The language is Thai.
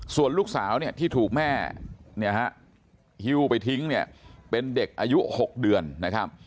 ส่วนลูกสาวที่ถูกแม่ฮิวไปทิ้งเป็นเด็กอายุ๖เดือนนะครับ